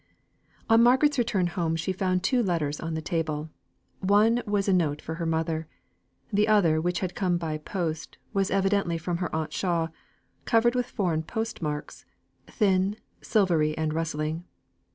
On Margaret's return home she found two letters on the table: one was a note for her mother, the other, which had come by the post, was evidently from her aunt Shaw covered with foreign post marks thin, silvery, and rustling.